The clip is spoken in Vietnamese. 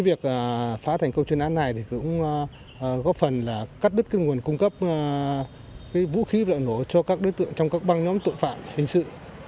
việc phá thành công chuyên án này cũng góp phần là cắt đứt nguồn cung cấp vũ khí vật liệu nổ cho các đối tượng trong các băng nhóm tội phạm hình sự